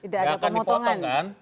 gak akan dipotong kan